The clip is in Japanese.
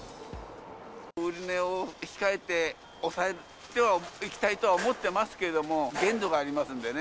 売値を控えて、抑えてはいきたいとは思っていますけれども、限度がありますんでね。